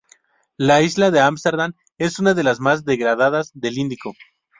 La isla de Ámsterdam es una de las más degradadas del Índico.